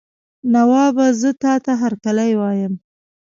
نوابه زه تاته هرکلی وایم.